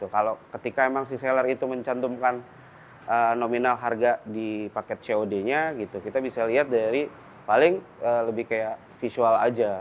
ketika memang seller itu mencantumkan nominal harga di paket cod nya kita bisa lihat dari lebih visual